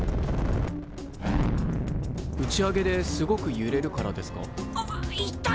打ち上げですごくゆれるからですか？